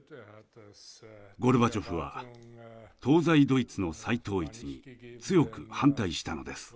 ゴルバチョフは東西ドイツの再統一に強く反対したのです。